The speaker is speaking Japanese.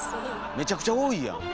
めちゃくちゃ多いやん！